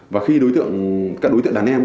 và khi các đối tượng đàn em